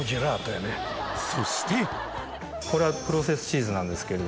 そしてこれはプロセスチーズなんですけれど。